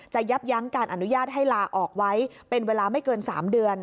ยับยั้งการอนุญาตให้ลาออกไว้เป็นเวลาไม่เกิน๓เดือน